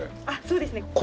あっそうですね。